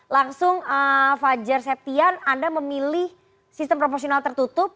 langsung fajar septian anda memilih sistem proporsional tertutup